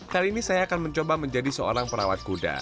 kali ini saya akan mencoba menjadi seorang perawat kuda